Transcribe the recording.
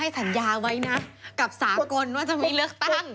สัญญาไว้นะกับสากลว่าจะไม่เลือกตั้ง